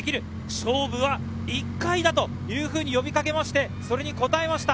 勝負は１回だと呼びかけまして、それにこたえました。